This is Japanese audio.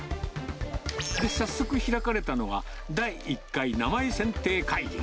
早速開かれたのが、第１回名前選定会議。